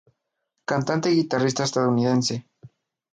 Cantante y guitarrista estadounidense.